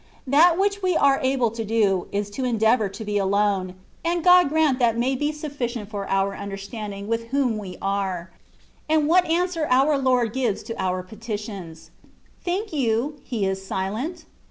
That which we are able to do, is to endeavour to be alone ; and God grant that may be i^ufficient 120 THE WAY OF PERFECTION. for our understanding with whom we are, and what answer our Lord gives to our petitions. Think you, He is silent